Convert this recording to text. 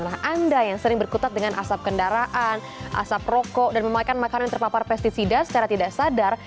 nah anda yang sering berkutat dengan asap kendaraan asap rokok dan memakan makanan yang terpapar pesticida secara tidak sadar